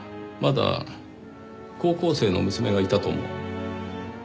まだ高校生の娘がいたとも。